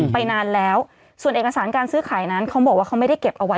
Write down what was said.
ไปนานแล้วส่วนเอกสารการซื้อขายนั้นเขาบอกว่าเขาไม่ได้เก็บเอาไว้